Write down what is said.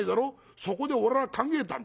そこで俺は考えたんだ。